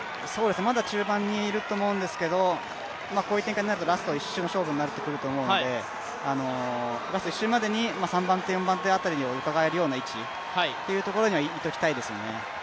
まだ中盤にいると思うんですけど、こういう展開になるとラスト１周の勝負になってくると思うのでラスト１周までに３番手、４番手をうかがえるような位置にはいたいですよね。